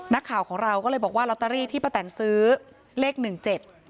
นักข่าวของเราก็เลยบอกว่าลอตเตอรี่ที่ป้าแตนซื้อเลขหนึ่งเจ็ด